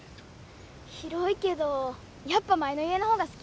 広いけどやっぱ前の家のほうが好き。